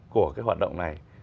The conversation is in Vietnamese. của cái hoạt động này